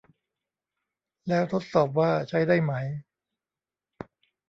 แล้วทดสอบว่าใช้ได้ไหม